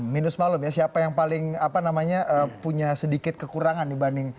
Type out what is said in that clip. minus malum ya siapa yang paling punya sedikit kekurangan dibanding